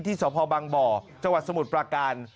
ที่สภาพบางบ่อจังหวัดสมุทรประการ